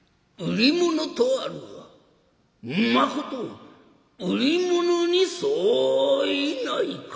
売り物とあるがまこと売り物に相違ないか？」。